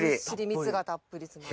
蜜がたっぷり詰まって。